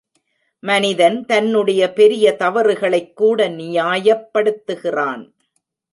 மனிதன் தன்னுடைய பெரிய தவறுகளைக் கூட நியாயப்படுத்துகிறான்.